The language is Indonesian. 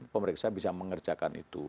pemeriksa bisa mengerjakan itu